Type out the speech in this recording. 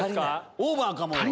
オーバーかもよ。